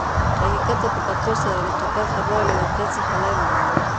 حقیقت ته په کتو سره د ټکر خبره له واقعیت څخه لرې ده.